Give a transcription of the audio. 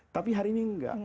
tapi hari ini tidak